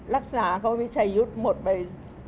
รักษาเค้ามีชายุทธ์หมดไป